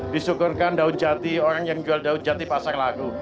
disyukurkan daun jati orang yang jual daun jati pasar lagu